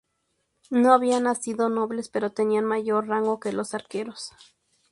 No habían nacido nobles, pero tenían mayor rango que los arqueros.